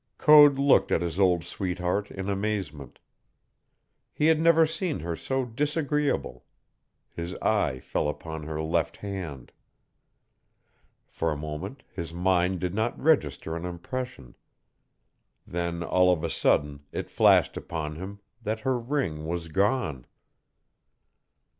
Code looked at his old sweetheart in amazement. He had never seen her so disagreeable. His eye fell upon her left hand. For a moment his mind did not register an impression. Then all of a sudden it flashed upon him that her ring was gone.